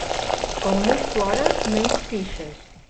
Com més plores, menys pixes.